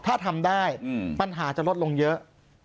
ถ้าทำได้ปัญหาจะลดลงเยอะ